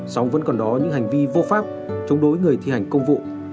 song vẫn còn đó những hành vi vô pháp chống đối người thi hành công vụ